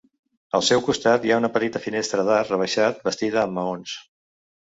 Al seu costat hi ha una petita finestra d'arc rebaixat, bastida amb maons.